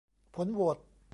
ผลโหวต